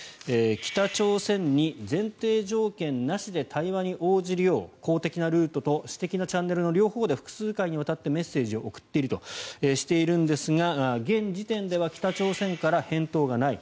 北朝鮮に前提条件なしで対話に応じるよう公的なルートと私的なチャンネルの両方で複数回にわたってメッセージを送っているとしているんですが現時点では北朝鮮から返答がない。